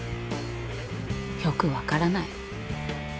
よくわからない。